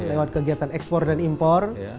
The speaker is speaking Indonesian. lewat kegiatan ekspor dan impor